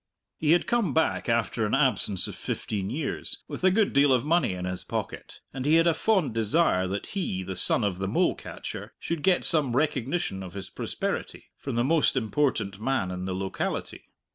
He had come back after an absence of fifteen years, with a good deal of money in his pocket, and he had a fond desire that he, the son of the mole catcher, should get some recognition of his prosperity from the most important man in the locality.